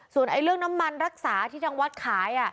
ส่วนเรื่องน้ำมันรักษาที่ทางวัดขาย